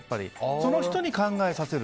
その人に考えさせる。